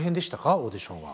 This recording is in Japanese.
オーディションは。